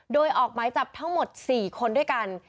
โดยออกหมายจับทั้งหมด๔คนด้วยกัน